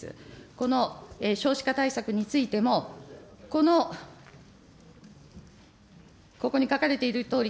この少子化対策についても、この、ここに書かれているとおり、